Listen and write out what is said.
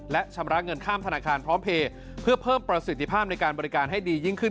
และชำระเงินข้ามธนาคารพร้อมเพลย์เพื่อเพิ่มประสิทธิภาพในการบริการให้ดียิ่งขึ้น